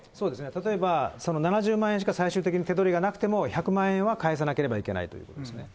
例えば、７０万円しか最終的に手取りがなくても、１００万円は返さなければいけないということですね。